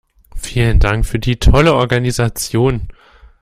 Vielen Dank für die tolle Organisation.